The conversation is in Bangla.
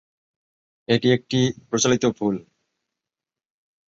এটি একটি প্রচলিত ভুল।